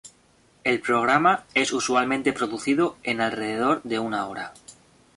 El programa es usualmente producido en alrededor de una hora.